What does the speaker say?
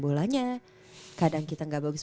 bolanya kadang kita nggak bagus